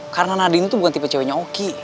karena nadine tuh bukan tipe ceweknya oki